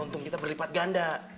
kita kan ke developing town